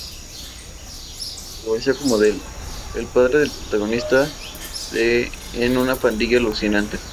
Apareció como Del, el padre del protagonista en "Una pandilla alucinante".